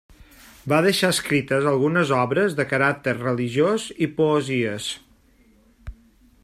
Va deixar escrites algunes obres de caràcter religiós i poesies.